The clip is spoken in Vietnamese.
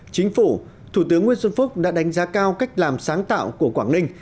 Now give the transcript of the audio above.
chính phủ thủ tướng nguyễn xuân phúc đã đánh giá cao cách làm sáng tạo của quảng ninh